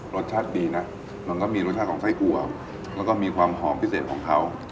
รสชาติดีนะมันก็มีรสชาติของไส้กัวแล้วก็มีความหอมพิเศษของเขา